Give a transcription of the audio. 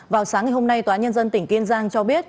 vào sáng ngày hôm nay tòa nhân dân tỉnh kiên giang cho biết